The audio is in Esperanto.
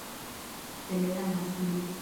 Telegrama stilo.